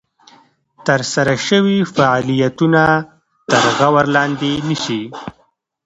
ترسره شوي فعالیتونه تر غور لاندې نیسي.